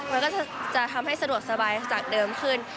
มันก็จะทำให้สะดวกสบายจากเดิมขึ้น